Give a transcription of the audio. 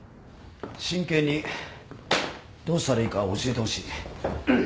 真剣にどうしたらいいか教えてほしい